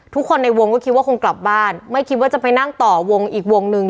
ทุกคนในวงก็คิดว่าคงกลับบ้านไม่คิดว่าจะไปนั่งต่อวงอีกวงนึง